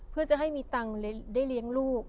เพื่อจะให้มีตังค์ได้เลี้ยงลูก